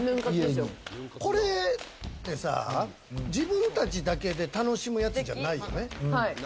これってさ、自分たちだけで楽しむやつじゃないよね。